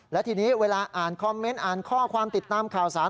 และทีนี้เวลาอ่านคอมเมนต์อ่านข้อความติดตามข่าวสาร